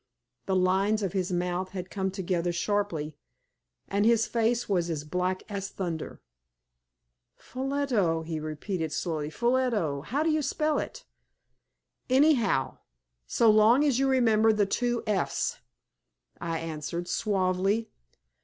The lines of his mouth had come together sharply, and his face was as black as thunder. "Ffolliot?" he repeated, slowly "Ffolliot? How do you spell it?" "Anyhow, so long as you remember the two F's!" I answered, suavely.